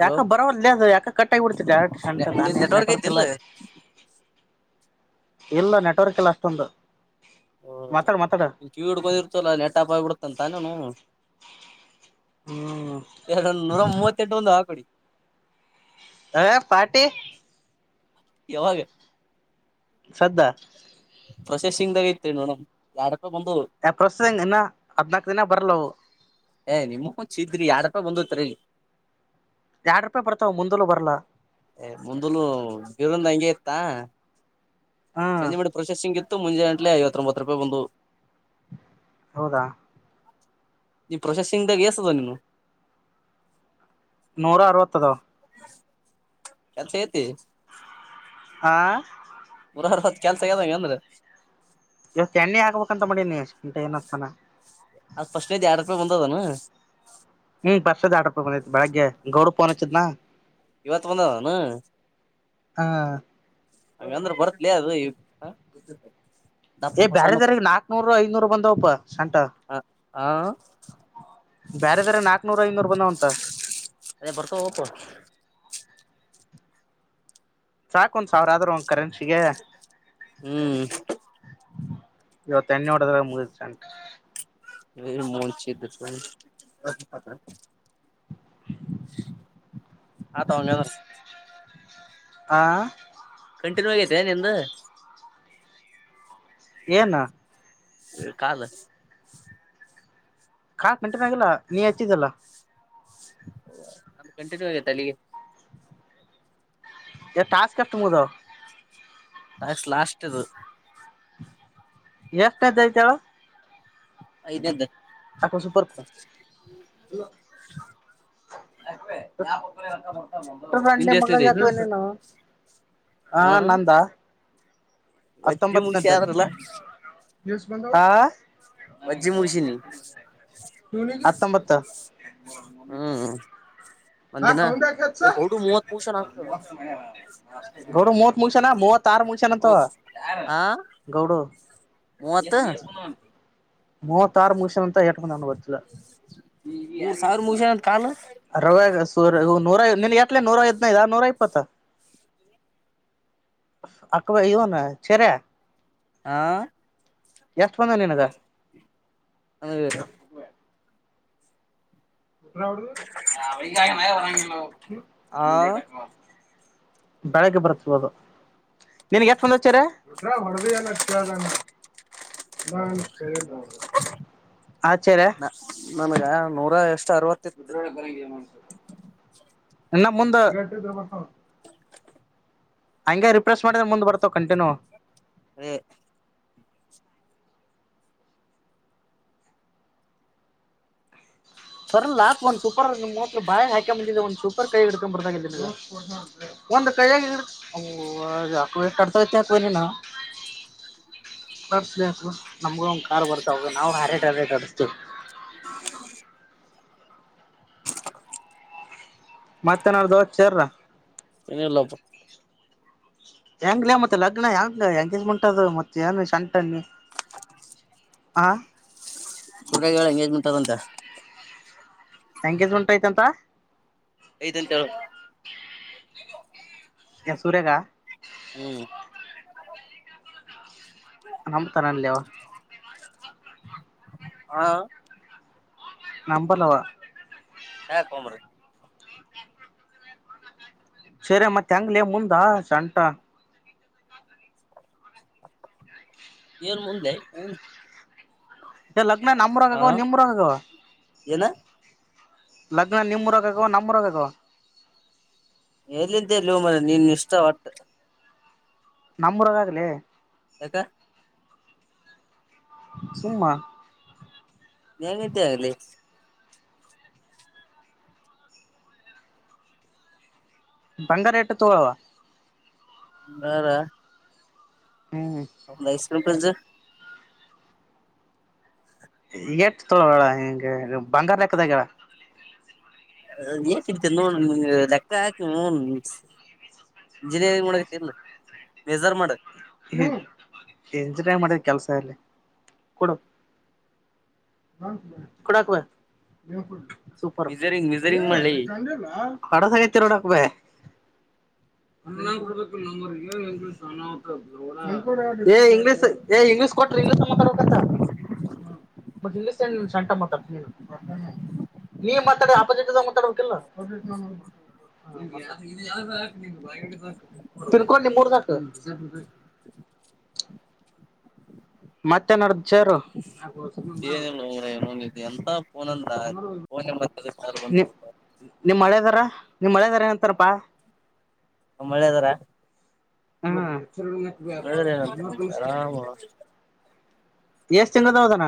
Hello ಯಾಕ ಬರವದು ಯಾಕ ಕಟ್ ಆಗ ಬಿಡ್ತ ಡೈರೆಕ್ಟ್ ನಿನ್ ಶಟತ್ಾನ ನೆಟ್ವರ್ಕ್ ಐತಿಲ್ಲ ಎಲ್ಲ. ಇಲ್ಲ ನೆಟ್ವರ್ಕ್ ಎಲ್ಲಷ್ಟಂದು. ಓ ಚಿ ಹ ಇಡ್ಕಂದಿರ್ತಲ್ಲ ನೆಟಾಪ ಆಗಿಬಿಡುತ್ತ ಅಂತಾನನು ಹ್ಮ್ ಎರ ನರ ಮ. ಟ್ಟ ಹಂದ ಹ ಕಡಿ ಹ ಪಾ್ಟಿ ಯಾವಾಗ ಸದ್ದ ಪ್ರೊಸೆಸಿಂಗ್್ದಾಗ ಐತೆ ನೋಡಮ ಯಾರ ಆ ಪ್ರೊಸೆಸಂಗ್ ಇನ್ನ ಹದ್ನಾಕ ದಿನ ಬರಲ್ಲವು. ಏ ನಿಮ್ ಹಂಚ ಇದ್ರಿ ಯಾರಪ್ಪ ಬಂದತರಿಲ್ಲಿ. ಎರಡ್ ರೂಪಾಯಿ ಬರ್ತಾವ ಮುಂದಲು ಬರ್ಲಾ ಮುಂದಲು ಬಿರಂದ ಹಂಗಗೆ ಇತ್ತಾ. ಹ್ಮ್ ಸಂಜೆ ಬಿಟ್ಟ ಪ್ರೊಸೆಸಿಂಗ್ ಇತ್ತು. ಮುಂಜೆ ಗಂಟಲ ಐವತ್ತೊಂಬತ್ತು ರೂಪಾಯಿ ಬಂದು. ಹೌದಾ. ಈ ಪ್ರೊಸೆಸಿಂಗ್್ದಾಗ ಎಸದ ನೀನು. ನೂರ ಅರವತ್ತದ ಕೆಥ ೇತಿ ಆ. ಕೆಲ್ಸಗದಾವ ಅಂದ್ರೆ ಇವತ್ತು ಎಣ್ಣೆ ಆಕಗ್ಬೇಕಂತ ಮಾಡೀನಿ ಎಷ್ಟ ಏನ್ತಂನ. ಅ ಬಂದ ತಾನ. [unintelligible] ಹ್ಮ್, ಪರ್ಸದ ಎರಡ ರೂಪಾಯಿಬಂದದ ಬೆಳಗ್ಗೆ ಗೌಡ್ರು ಪೋನ್ತ್ ಹಚಿದನ. ಇವತ್ ಬಂದ ಅದನು. ಹಾ, ಹಾಗ ಅಂದ್ರೆ ಬರ್ತ್ಲೇ ಅದು. ಏ ದಪ್ಪ ಬ್ಯಾರೆ ಸಣ್ಣ ದಾರಿಗೆ ನಾಕ್ನೂರು, ಐನೂರು ಬಂದವಪ್ಪ ಶಂಟ. ಹ ಬರೆದಾರಗೆ ನಾಕ್ನೂರು, ಐನೂರು ಬಂದವ. ಹತ್ತ [inaudible] ಅದೇ ಬರ್ತವ ಹೋವೋಪ್ಪ. ಸಾಕ ಒಂದ ಸಾವ್ರ ಆದ್ರರು ಒಂ., - ಹ್ಮ್. ಇವತ್ತು ಎಣ್ಣೆ ಒಡದ್ರಮುಗನ್ ಸಾಕು. - ಮಚಿ್ದ [unintelligible] [unintelligible] ಹ ತೊಂಗ. [inaudible] ಆ, ಕಂಟಿನ್ಯೂ ಆಗೈತೆ ನಿಂದ. ಏನು? ಕಾಲ- ಕಾಲ್ ಕಂಟಿನ್ಯೂ ಆಗಿಲ್ಲ ನೀ ಹಚ್ಚಿದಲ್ಲ. ಓ ನು ಕಂಟಿನ್ಯೂ ಆಗೈತೆ ಅಲ್ಲಿಗೆ. - ಎ ಟಾಸ್ಕ ಎಷ್ಟ ಮುಗಿದಿವೆ. ಆಯ್ತು ಲಾಸ್ಟ್ ಇದು. ಎಷ್ಟಂದಐತಹೇಳ. ಐದನಂದ್ದು. ಆಕೋ ಸೂಪರ್. ಆಾ ಯಾ ಪ ಎಂತ ಮಾಡ [unintelligible] ರಂಡೆ ನಿಂದ ಮಗ ಎಷ್ಟನೇದ ಐತಿ ಜತನೆ ನ. [unintelligible] ಹಾ ಹ ನಂದಾ. ವಜ್ಜಿ ಮುಗಷಿಆದರಲ್ಲ. ನ್ಯೂಸ್ ಬಂದಾವ ಆ [inaudible] ವಜ್ಜಿ ಮುಗಷಿನಿ. ಹ್ಮ್, ಹತ್ತೊಂಬತ್ತ- ಹ್ಮ್ ಹ ಒಂದಿನ ಗೌಡು ಮೂವತ್ ಮುಗಿಸನ್ ಆಗ್ತದ ಗೌಡ ಮುವತ್ ಮುಗಸನಮತ್ ಹ್ಮ ಮುವತಾರಮುಗಷಾನಂತವ ಆ ಗೌಡ. ಮೂವತ್ ಮೂವತ್ತಾರ ಮುಗಷನ ಅಂತ. ಗೊತ್ತಿಲ್ಲ ಮೂರ್ ಸಾವಿರ ಮುಗಿಸನ್ ಅಂತ ಕಾಲ್ [unintelligible] ಸೂರ್ಯ ನೂರ ನಿನ್ ಎತ್ಲೆ ನೂರ ಐದ್ನೈದ ನೂರ ಇಪ್ಪತ್ತು. ಅಕ್ವಾ ಇವನ್ ಚರ್ಯ- ಆ,, ಎಷ್ಟು ಬಂದವ ನೀನಗ ಅ ಹಿಂಗಾಗಿ ಬರಂಗಿಲ್ಲ ಅವು ಆ ಬೆಳಗ್ಗೆ ಬರತ್ ಇವಾಗ ನಿನಿಗ್ ಎಷ್ಟ ಸಲ ಫೋನ್ ಹಚ್ಯಾರ [inaudible] ಹಚ್ಚರ ನನಗ ನೂರ ಎಷ್ ಗಟಳ ಬರಗೆ ಮಾಡಸ ಇನ್ನ ಮುಂದ ಹಂಗೆ ರಿಪ್ರೆಸ್ ಮಾಡಿದ್ರೆ ಮುಂದ್ ಬರ್ತಾವ ಕಂಟಿನ್ಯೂ. ಹ ಬರ್ಲ್ಲಾ ಆ ಒಂದ ಸೂಪರ್ ನಿಮ್ಅವನ್ [unintelligible] ಕ್ಕೆ ಬಾಯ್ಗ್ ಹಾಕಂದಿದೆ ಒಂದು ಸೂಪರ್ ಕೈ ಹಿಡ್ [inaudible] ನಮ್ಗ ಒಂದ್ ಕಾರ್ ಬರ್ತಾವಗ ನಾವು ಹೈರೇಟ್ ಹಾಯ್ ರೇಟ್ ಆರಸತೆವಿ ಮತ್ತನ್ರ ದೋ [unintelligible] ಏನಿಲ್ಲಪ್ಪ. ಹೆಂಗ್ಲ ಮತ್ತೆ ಲಗ್ನ ಯಂಗ ಎಂಗೇಜ್ಮೆಂಟ್ ಅದು ಮತ್ತೆ ಏನು ಶಂಟ ನೀ ಹ ನನ್ ಹೇ ತಗೋಂತಾ ಎಂಗೇಜ್ಮೆಂಟ್ ಐತಿ ಅಂತ. ಐತೆಂತ ಹೇಳ್ ಏ ಸೂರ್ಯ ಗಾ ಹ್ಮ್ ನಂಬತಾನನಲೇ ಅವ ಆ ನಂಬಲ್ಲವಾ ಯಾಕೋ ಮಾರಾಯ ಸರಿ ಮತ್ತೆ ಹೆಂಗ್ಲೆ ಮುಂದ ಶೆಂಟಾ ಏನು ಮುಂದ ಲೇ ಏನ ಲಗ್ನ ನಮ್ಮೂರಾಗ್ ಆಗವ ನಿಮ್ಮೂರಾಗ್ ಆಗವ ಏನ ಲಗ್ನ ನಿಮ್ಮೂರಾಗಾಗವಾ ನಮ್ಮರಾಗಾಗವಾ. ಎಲ್ಲಿಂದ ಎಲ್ಲೂ ಮರಾಯ ನಿನ್ ಇಷ್ಟ ಒಟ್ಟ ನಮ್ಮೂರಗ ಆಗ ಲೇ ಏಕ್ ಸುಮ್ಮನ ಏನಿದೆ ಅಲ್ಲಿ ಬಂಗಾರೇಟ್ ತೊ ಬೇಡಾ ಹ್ಮ್ [unintelligible] ಎಟ್ [unintelligible] ಹಂಗೆ ಬಂಗಾರ್ದಾಕದ ಈಗ ಆ ಇದ್ ಏನಕ್ ಇದ್ ತಲಿ ನೋವ್ [unintelligible] ಮೆಜರ್ ಮಾಡ್ ಎಂಜ ಮಾಡಿದ ಕೆಲ್ಸ ಎಲ್ಲಿ ಕೊಡ ಕೊಡಕ್ವಾ [inaudible] ಮಿಜರಿಂಗ್ ಮಿಜರಿಂಗ್ ಮಾಡ್ಲಿ ಸೂಪರ್ಡಸಗ [unintelligible] ತಿರೋಡಾಕ್ಬೇಕ ಕನ್ನಡ ಕೊಡಬೇಕಿಲ್ಲೊ ಮಾರಯ್ ಏನ ಇಂಗ್ಲಿಷ್ ಅನಾಹುತ ಏ ಇಂಗ್ಲಿಷ್ ಕೊಟ್ರ ಇಂಗ್ಲಿಷ್ ಮಾತಾಡ್ಬೇಕಂತ ಬಟ್ ಇಂಗ್ಲಿಷ್ ಏನ ಶೆಟ್ ಮಾತಾಡತಿ ನಿನ ನಿನ ಮಾತಾಡಿದ್ರ ಅಪೌಸಿಟ ದವ ಮಾಡಾಬೇಕಿಲ್ಲ ತಿರ್ಕಲ್ಲಿ ಮೂರದಾಕ ಮತ್ತೆನಡ್ದ ಚೆರು ಏನ ಇಲ್ಲೂ ಮಾರಾಯ ಎಂತ ಫೋನ್ ಅಂದ್ರ ಫೋನ್ಯಾಗ ಮಾತಾಡೋ ಕಾಲ ಬಂತಲ್ಲ ಪಾ ನಿಮ್ ಹಳೆದಾರ ನಿಮ್ ಮಳೆದಾರ ಎಂತಾರಪ್ಪಾ ಒಳ್ಳೆದಾರ ಹ್ಮ ಹೇಳ್ರ ಏನಂತ ನಮ ಆರಾಮ ಎಷ್ಟ ತಿನ್ನದಾವದಾನ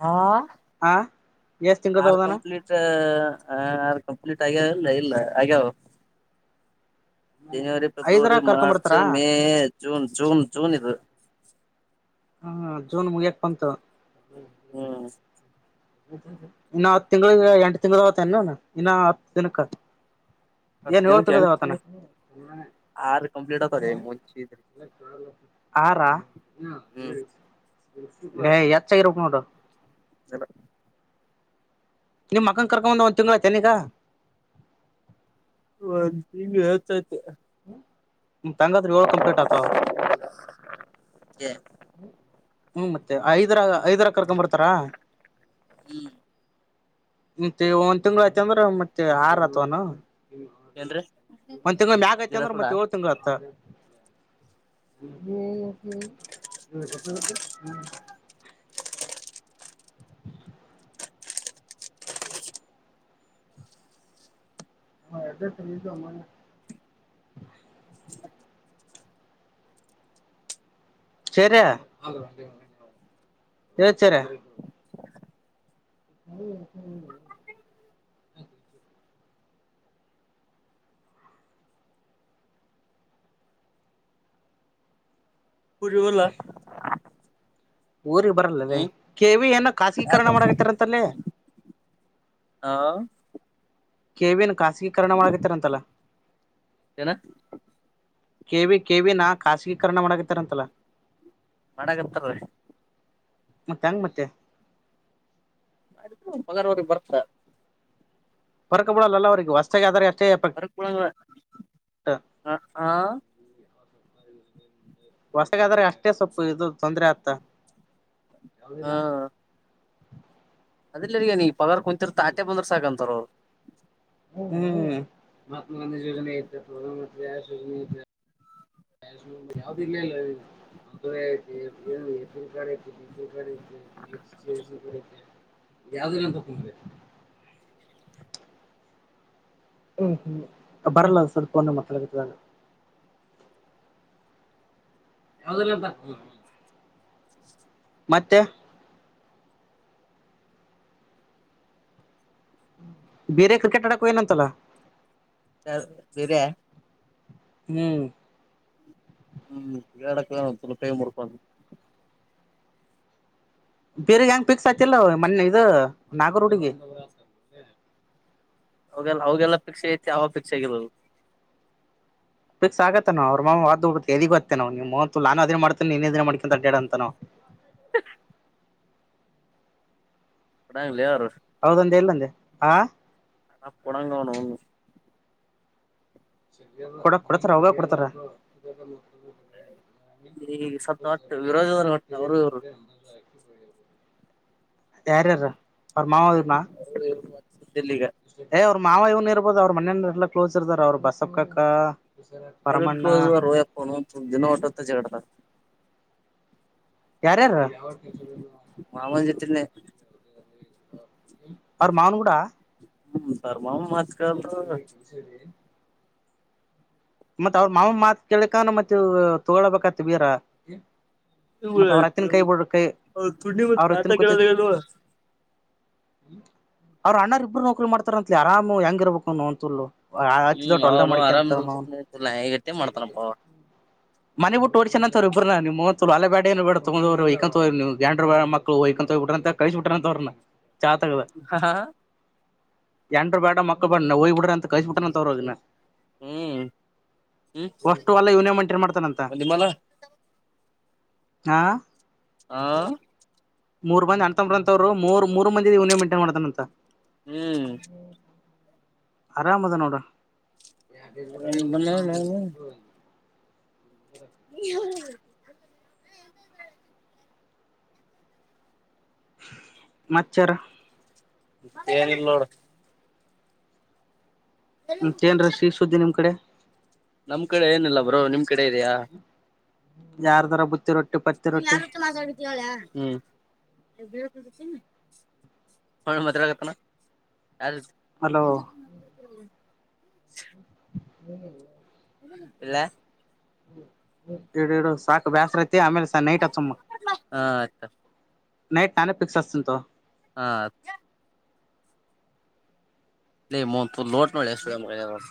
ಹಾ ಎಷ್ಟ್ ತಿಂಗದ ಆರ್ ಹೋದಾನ ಕಂಪ್ಲೀಟ್ ಆರ್ ಕಂಪ್ಲೀಟ್ ಆಗ್ಯಾ ಇಲ್ಲ ಇಲ್ಲ ಹಾಗ್ಯವು ಜನವರಿ ಐದರ ಪೆಬ್ರವರಿ ಕರ್ಕೊಂಡ್ ಮಾರ್ಚ್ ಬರ್ತಾರ ಮೇ ಜೂನ್ ಜೂನ್ ಜೂನ್ ಇದು ಹಾ ಜೂನ್ ಮುಗ್ಯಾಕ್ ಬಂತು ಹ್ಮ್ ಇನ್ನು ಹತ್ತ ತಿಂಗಳಗ ಎಂಟ ತಿಂಗ್ಳ ಆತ್ತ ನು ಇನ್ನ ಹತ್ ದಿನಕ್ಕ ಏನ್ ಏಳ್ ತಿಂಗದ ಅವತಾನ [unintelligible] ಆರು ಕಂಪ್ಲಿಟ್ ಆತರಿ ಹೇ ಹೆಚ್ಚ ಆಗಿರಬೇಕ ನೋಡು ಅಲ್ಲ [inaudible] ನಿಮ್ಮಕ್ಕನ್ ಕರ್ಕೊಂಡಂಬಂದ ಒಂದು ತಿಂಗಳ ಆಯಿತೆನಿಗ ಒ ತಿಂಗೆ ಹವತ್ಾಯ್ತ ಮ್ಮ್ [inaudible] ತಂಗಾದ್ರಿ ಹೋಗಕ್ ಕಂಪರ್ಟ್ ಆಗ್ತವ ಹ್ಮ್ ಮತ್ತೆ ಐದರ ಐದರ ಕರ್ಕೊ ಬರ್ತಾರಾ ಹ್ಮ್ [inaudible] ಮತ್ತೆ ಒಂದ್ ತಿಂಗಳ ಆಯತ ಅಂದ್ರ ಮತ್ತೆ ಆರ್ ಆತ್ವನು ಏನ್ರೀ ಮತ್ತತ್ ತಿಂಗ ಮ್ಯಾಗ ಐತಿ ಜೀರಾ ಅಂದ್ರೆ ಸೋಡಾ ಮತ್ತತ್ ಏಳ್ ತಿಂಗ ಆತ್ತ ಹ್ಮ ಹ್ಮ ಹ್ಮ ಹ್ಮ ಹ ಅದ ಸಮ್ಮನೆ ಸರಿಯಾ ಸರಿಯ [unintelligible] ಪೂರಿವಲ್ಲ ಊರಿಗೆಗ್ ಬರಲ್ಲದ ಕೆವಿ ಏನೋ ಖಾಸಗೀಕರಣ ಮಾಡಕತ್ತಾರ ಅಂತಲ್ಲಿ ಹಾ ಕೆೇವನ್ ಖಾಸಗೀಕರಣ ಮಾಡಳಗತ್ತಾರ ಅಂತಲ್ಲ ಏನ ಕೆ ವಿ ಕೆ ವಿ ನಾ ಖಾಸಗೀಕರಣ ಮಾಡಾಗತ್ತಾರಂತಲ್ಲ ಮಾಡಕತ್ತಾರ ಮತ್ತೆಂಗ ಮತ್ತೆ ಪಗಾರ್ ಅವ್ರಿಗಿ ಬರ್ತಾ ಬರ್ಕ ಬಿಡಲ್ಲ ಅವ್ರರಿಗೆ ಹೊಸ್ತಾಗ್ ಆದ್ರ ಅಷ್ [unintelligible] [inaudible] ಹೊಸಗಾದ್ರೆ ಅಷ್ಟೇ ಸೊಪ್ಪ ಇದು ತೊಂದ್ರೆ ಆತ [unintelligible] [unintelligible] ಪಗಾರ್ ಕುಂತಿರ್ ತಾ ಆಟೆ ಬಂದ್ರ ಸಾಕಂತರ ಅವ್ರು ಹ್ಮ್ಮ ಮಹಾತ್ಮಾ ಗಾಂಧಿ ಯೋಜನೆ ಇ ಪ್ರಧಾನ ಮಂತ್ರಿ ಆ ಯೋಜನೆ ಯಾವ್ದು ಇಲ್ಲೆ ಇಲ್ಲ [unintelligible] [unintelligible] [unintelligible] [unintelligible] [unintelligible] ಮತ್ತೆ ಬೀರೆ ಕ್ರಿಕೆಟ್ ಆಡಕ್ ಹೊಗ್ಯನಂತಲ್ಲ ಆಸ್ ಬೀರೆ ಹ್ಮ್ [unintelligible] ಬೀರೆಗ್ ಹೆಂಗ್ ಪಿಕ್ಸ್ ಆತಿಲ್ಲ ಮನ್ನೆ ಇದು ನಾಗರ್ ಹುಡುಗಿ ಅವುಗೆಲ್ಲಾ ಅವಿಗೆಲ್ಲ ಫಿಕ್ಸ್ ಐತಿ ಅವ ಪಿಕ್ಷೆ ಆಗಿಲಲ್ಲ [unintelligible] [unintelligible] [unintelligible] ಹೌದಂದೆ ಇಲ್ಲಂದೆ ಆ [unintelligible] ಕೊಡಕ್ ಕೊಡ್ತಾರ ಅವ್ಗ ಕೊಡ್ತಾರ [unintelligible] [inaudible] ಯಾರ್ಯಾರೋ ಅವರ್ ಮಾವ ಇದ್ನ ಈಗ ಏ ಅವ್ರ ಮಾವ ಇವ್ನ್ ಇರ್ಬೋದು ಅವ್ರ ಮನೆನರು ಎಲ್ಲ ಕ್ಲೋಸ್ ಇರ್ತಾರಾ ಅವ್ರು ಬಸಪ್ಪ ಕಾಕ್ಕ [unintelligible] ಯಾರ್ಯಾರು ಮಾವನ ಜೊತೆನೆ [inaudible] ಅವ್ರ ಮಾವನ್ ಕೂಡ ಹ್ಮ್ [unintelligible] [unintelligible] ಮತ್ತತ್ ಅವ್ರ ಮಾವ ಮಾತ್ ಕೇಳಿಕಣ ಮತ್ತ ತಗೊಳ್ಬೇಕತ್ ಬೀರ ಮತ್ ಅವ್ರ ಅತ್ತಿನ ಕೈ ಬಿಡ ಕೈ ಅವ್ರ ಅತ್ತಿನ ಕೂತಿ [unintelligible] ಅವ್ರ ಅಣ್ಣರ್ ಇಬ್ಬರು ನೌಕರಿ ಮಾಡ್ತಾರತ್ಲಿ ಆರಾಮು ಹೆಂಗ ಇರ್ಬೇಕುನ್ನು ಅಂತಲ್ಲು ಆ ಹಚ್ಚಿದ ದೊಟ್ಟ ಹೊಲ್ದ ಮಡಕ ಅವನೊವ್ನ್ ಇಲ್ಲಾ ಹೇಗಟ್ಟೆ ಮಾಡ್ತಾನಪ್ಪ ಮನೆಿ ಬಿಟ್ಟ ಓಡ್ಚನ ಅಂತವ್ರ ಇಬ್್ರ ನ ನಿಮ್ ಅಲ ಬ್ಯಾಡ ಏ ಬೇಡ ತಗವ್ರಂತವಂಡ ಮಕ್ಳಯಕಂತೋಗ ಬಿ ಅಂತ ಕಳಸ ಬಿಟ್ಟಂತ್ರ ಹಾ ಎಂಡ್ರ್ ಬ್ಯಾಡ ಮಕ್ಳು ಬ್ಯಾಡ ಹೋಗ್ಬಿಡು ಅಂತ ಕಳ್ಸಬಿಟ್ಟನೆಂತ ಅವರು ಹ್ಮ್ ಹ್ಮ್ ಸ್ು ಅಲ್ಲ ಯನಿಯ ಮಂಟಿ ಮಾಡ [unintelligible] ಹಾ ಹಾ ಇನ್ಸಲ ಮೂರ್ ಬಂದಿ ಅಣತಂಬ್ರ ಅಂತವರು ಮೂರ್ ಮೂರ್ ಮಂದಿ ಇವ್ನೆ ಮಂಟನ್ ಮಾಡತಾನ ಅಂತ ಹ್ಮ್ ಆರಾಮ್ ಅದ ನೋಡ. ಹ ಬ ಉ ಸ್ಲ [unintelligible] [inaudible] ಮಚ್ಚರ್. ಮತ್ತೇನ ಇಲ್ಲ ನೋಡ. ಹ್ಮ ಮತ್ತೆನ್ರ ಶೀಸುದ್ದಿ ನಿಮ್ ಕಡೆ. ನಮ್ ಕಡೆ ಏನಿಲ್ಲ ಬ್ರೋ ನಿಮ್ ಕಡೆ ಇದೆಯಾ. ಯಾರ್ದರ ಬುತ್ತಿ ರೊಟ್ಟಿ. ಪತ್ತಿ ನೀವ್ ರೊಟ್ಟಿ ಯಾರಜೊತಿ ಮಾತಾಡತಿ ಹೇಳ್ಯಾ ಹ್ಮ್ಮ್. ಹ ಮತ್ಯಡ ಕತ್ತನ. ಅಲ್ತ್ ಅಲೋ ಹ್ಮ ಏನಿಲ್ಲೋ ಇಡ್ಲ್ಯ ಇಡಿಡು ಸಾಕು ಬ್ಯಾಸರೈತ ಆಮೇಲೆ ಸ ನೈಟ ಹಚ್ಚಮ. ಹಾ ಆಯ್ತ ನೈಟ್ ನಾನೇ ಪಿಕ್ಸ್ ಹಾಸ್ತಿನ್ ತೋ. ಹ ಹಚ್ಚು. E month ಲೋಟ್ [unintelligible] no [unintelligible]